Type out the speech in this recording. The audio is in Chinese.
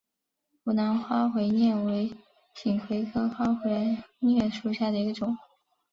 湖南黄花稔为锦葵科黄花稔属下的一个种。